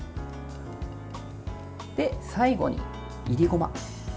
最後に、いりごま。